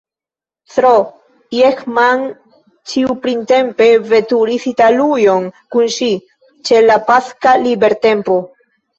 S-ro Jehman ĉiuprintempe veturis Italujon kun ŝi, ĉe la paska libertempo.